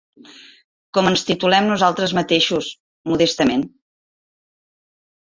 Com ens titulem nosaltres mateixos, modestament.